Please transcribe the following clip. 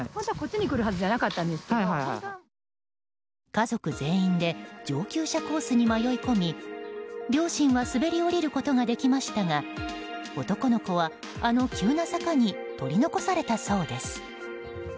家族全員で上級者コースに迷い込み両親は滑り降りることができましたが男の子は、あの急な坂に取り残されたそうです。